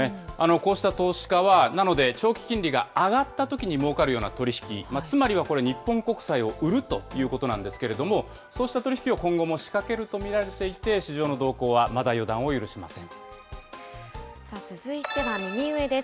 こうした投資家は、なので、長期金利が上がったときにもうかるような取り引き、つまりはこれ、日本国債を売るということなんですけれども、そうした取り引きを今後も仕掛けると見られていて、市場の動向はさあ、続いては右上です。